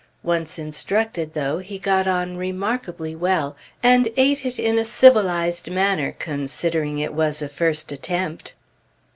Once instructed, though, he got on remarkably well, and ate it in a civilized manner, considering it was a first attempt.